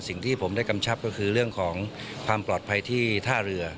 สิ่งที่ผมได้กำชับก็คือเรื่องของความปลอดภัยที่ท่าเรือ